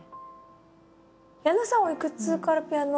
矢野さんはおいくつからピアノを？